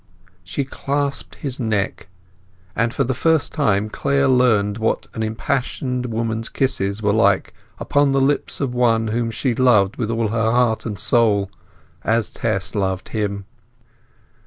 She clasped his neck, and for the first time Clare learnt what an impassioned woman's kisses were like upon the lips of one whom she loved with all her heart and soul, as Tess loved him.